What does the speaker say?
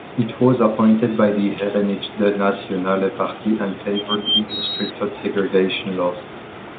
It was appointed by the Herenigde Nasionale Party and favoured even stricter segregation laws.